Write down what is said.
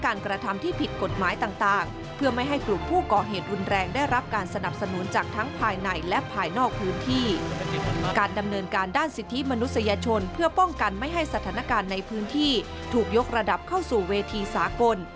การไม่ให้สถานการณ์ในพื้นที่ถูกยกระดับเข้าสู่เวทีสากล